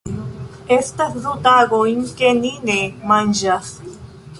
Estas du tagojn ke ni ne manĝas.